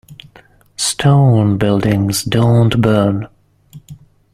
Stone buildings don't burn.